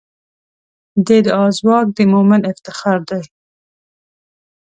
د دعا ځواک د مؤمن افتخار دی.